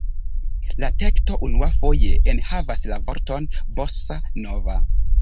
La teksto unuafoje enhavas la vorton „bossa-nova“.